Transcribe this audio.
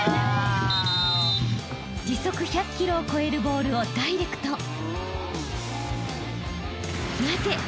［時速１００キロを超えるボールをダイレクト］